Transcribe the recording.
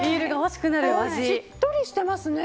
しっとりしてますね。